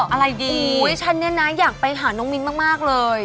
อะไรดีฉันเนี่ยนะอยากไปหาน้องมิ้นมากเลย